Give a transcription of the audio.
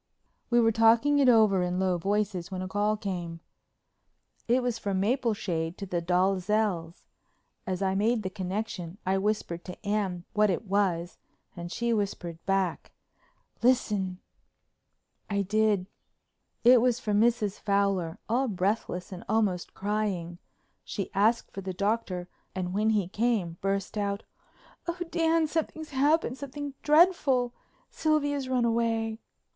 We were talking it over in low voices when a call came. It was from Mapleshade to the Dalzells'. As I made the connection I whispered to Anne what it was and she whispered back, "Listen." I did. It was from Mrs. Fowler, all breathless and almost crying. She asked for the Doctor and when he came burst out: "Oh, Dan, something's happened—something dreadful. Sylvia's run away."